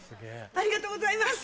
ありがとうございます！